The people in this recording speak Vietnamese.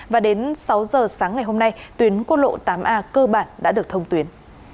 và đến sáu giờ sáng ngày hôm nay tuyến quốc lộ tám a cơ bản đã được thông tuyến